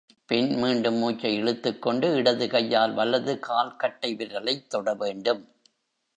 பின், மீண்டும் மூச்சை இழுத்துக் கொண்டு, இடது கையால் வலது கால் கட்டை விரலைத் தொடவேண்டும்.